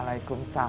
pernah ke mana